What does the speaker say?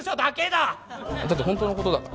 だって本当の事だから。